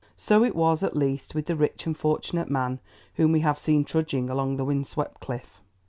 So it was, at least, with the rich and fortunate man whom we have seen trudging along the wind swept cliff.